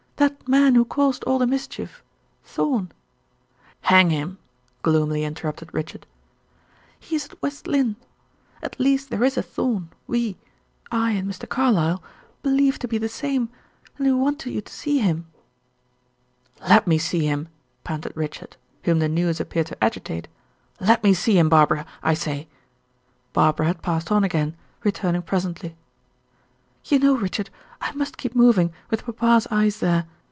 That man who caused all the mischief Thorn " "Hang him!" gloomily interrupted Richard. "He is at West Lynne. At least there is a Thorn, we I and Mr. Carlyle believe to be the same, and we want you to see him." "Let me see him," panted Richard, whom the news appeared to agitate; "let me see him, Barbara, I say " Barbara had passed on again, returning presently. "You know, Richard, I must keep moving, with papa's eyes there.